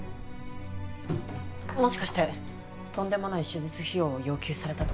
もしかしてとんでもない手術費用を要求されたとか？